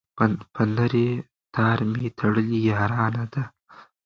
په نري تار مي تړلې یارانه ده